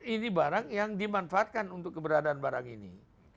ini barang yang dimanfaatkan untuk keberadaan barang ini